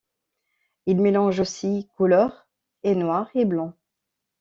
Il mélange aussi couleur et noir et blanc.